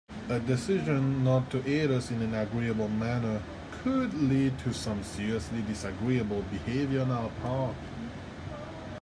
A decision not to aid us in an agreeable manner could lead to some seriously disagreeable behaviour on our part.